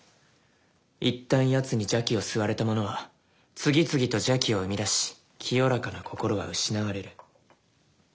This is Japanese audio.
一旦やつに邪気を吸われた者は次々と邪気を生み出し清らかな心は失われる。